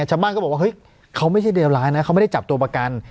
ชาวบ้านก็บอกว่าเฮ้ยเขาไม่ใช่เลวร้ายนะเขาไม่ได้จับตัวประกัน